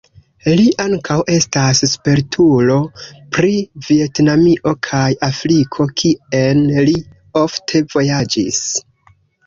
Li ankaŭ estas spertulo pri Vjetnamio kaj Afriko, kien li ofte vojaĝis.